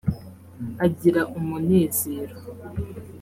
agira umunezero